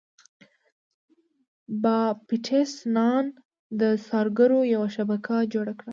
باپټیست نان د څارګرو یوه شبکه جوړه کړه.